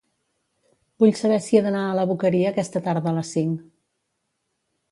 Vull saber si he d'anar a la Boqueria aquesta tarda a les cinc.